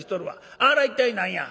あら一体何や？」。